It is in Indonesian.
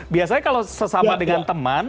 biasanya kalau sesama dengan teman